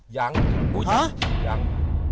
ยังห๋ายัง